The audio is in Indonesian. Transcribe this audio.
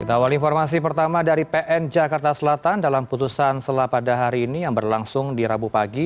kita awal informasi pertama dari pn jakarta selatan dalam putusan selah pada hari ini yang berlangsung di rabu pagi